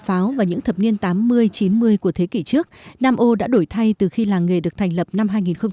một thế kỷ trước nam âu đã đổi thay từ khi làng nghề được thành lập năm hai nghìn bảy